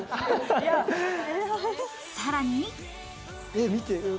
さらに。